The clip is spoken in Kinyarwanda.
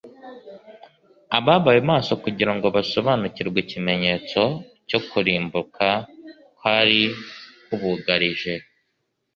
Ababaye maso kugira ngo basobanukirwe ikimenyetso cyo kurimbuka kwari kubugarije,